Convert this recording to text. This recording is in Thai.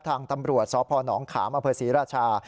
ทางตำรวจสพนขามอำเภอศรีราชา